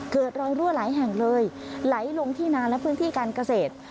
เกิดรอยรั่วหลายแห่งเลยไหลลงที่นานและพื้นที่การเกษตร